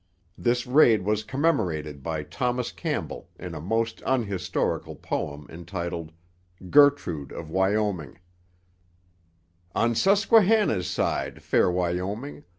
This raid was commemorated by Thomas Campbell in a most unhistorical poem entitled Gertrude of Wyoming: On Susquehana's side, fair Wyoming!